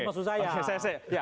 itu maksud saya